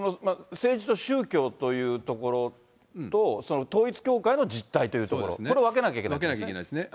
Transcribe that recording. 政治と宗教というところと、統一教会の実態というところ、分けなきゃいけないですね。